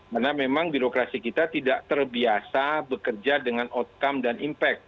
karena memang birokrasi kita tidak terbiasa bekerja dengan outcome dan impact